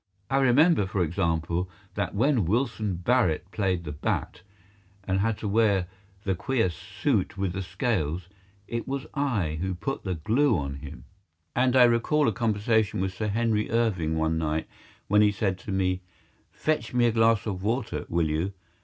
I remember, for example, that when Wilson Barrett played "The Bat" and had to wear the queer suit with the scales, it was I who put the glue on him. And I recall a conversation with Sir Henry Irving one night when he said to me, "Fetch me a glass of water, will you?"